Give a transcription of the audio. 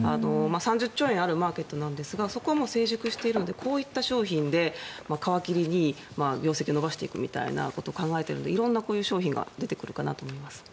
３０兆円あるマーケットなんですがそこはもう成熟しているのでこういった商品を皮切りに業績を伸ばしていくみたいなことを考えているので色んなこういう商品が出てくるかなと思います。